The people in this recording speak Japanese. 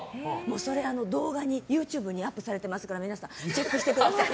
それ、ＹｏｕＴｕｂｅにアップされてますから皆さんチェックしてください。